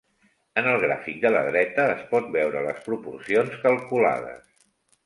En el gràfic de la dreta es pot veure les proporcions calculades.